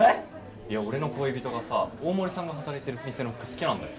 いや俺の恋人がさ大森さんが働いてる店の服好きなんだよ